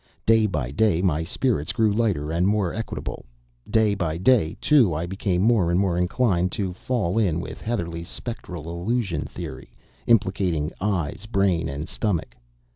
Day by day my spirits grew lighter and more equable. Day by day, too, I became more and more inclined to fall in with Heatherlegh's "spectral illusion" theory, implicating eyes, brain, and stomach.